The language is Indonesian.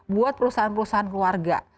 buat perusahaan perusahaan keluarga